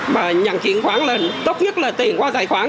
mà nhận chuyển khoản lên tốt nhất là tiền qua tài khoản